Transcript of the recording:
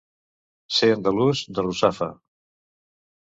Ser andalús de Russafa.